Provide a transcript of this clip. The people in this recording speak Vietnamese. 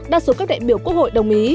đa số các đại biểu quốc hội đồng ý